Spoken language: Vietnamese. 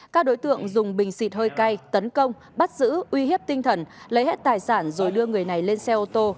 các đối tượng dùng bình xịt hơi cay tấn công bắt giữ uy hiếp tinh thần lấy hết tài sản rồi đưa người này lên xe ô tô